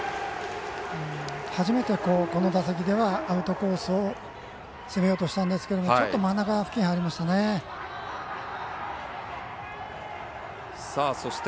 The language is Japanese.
初めてこの打席でアウトコースを攻めようとしたんですけどちょっと真ん中付近に入りました。